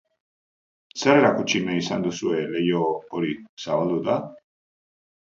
Zer erakutsi nahi izan duzue leiho hori zabalduta?